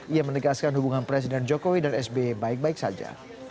ia menegaskan hubungan presiden jokowi dan sby baik baik saja